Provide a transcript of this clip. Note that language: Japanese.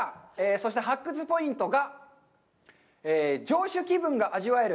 そして、発掘ポイントが「城主気分が味わえる！